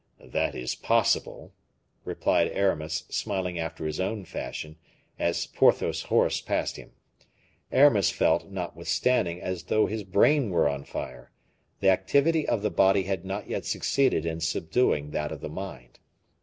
"That is possible," replied Aramis, smiling after his own fashion, as Porthos's horse passed him. Aramis felt, notwithstanding, as though his brain were on fire; the activity of the body had not yet succeeded in subduing that of the mind.